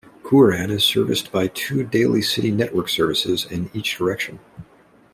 Cooran is serviced by two daily City network services in each direction.